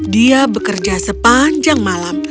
dia bekerja sepanjang malam